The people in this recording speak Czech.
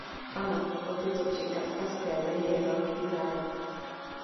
Ano, o tyto tři kavkazské země je velký zájem.